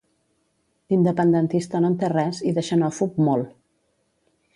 Aliança Catalana és un partit independentista català fundat a Ripoll el dos mil vint